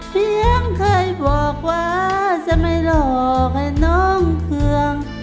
เสียงเคยบอกว่าจะไม่หลอกให้น้องเคือง